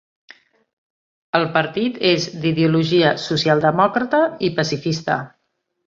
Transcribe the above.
El partit és d'ideologia socialdemòcrata i pacifista.